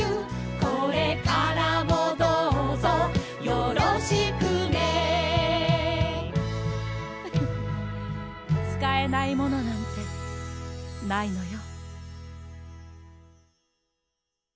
「これからもどうぞよろしくね」「フフッ使えないものなんてないのよ」